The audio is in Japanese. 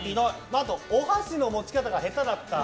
あとはお箸の持ち方が下手だった。